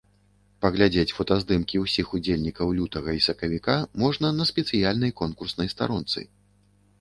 Паглядзець фотаздымкі ўсіх удзельнікаў лютага і сакавіка можна на спецыяльнай конкурснай старонцы.